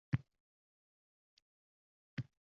Senga yana tasanno aytishadi